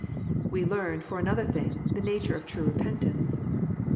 We learn, for another thing, tJie nature of true repentanee.